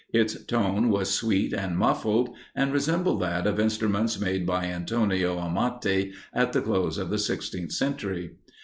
Its tone was sweet and muffled, and resembled that of instruments made by Antonio Amati at the close of the sixteenth century.